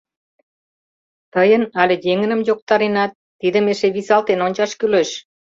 Тыйын але еҥыным йоктаренат — тидым эше висалтен ончаш кӱлеш.